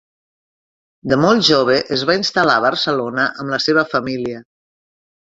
De molt jove es va instal·lar a Barcelona amb la seva família.